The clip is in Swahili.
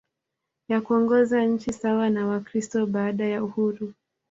ya kuongoza nchi sawa na Wakristo baada ya uhuru